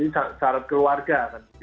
jadi saran keluarga